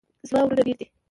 زما ورونه ډیر دي